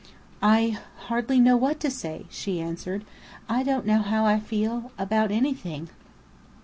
"I hardly know what to say," she answered. "I don't know how I feel about anything."